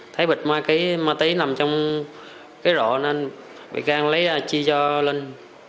thấy bịt ma tí nằm trong cái rổ nên bị can lấy chi cho linh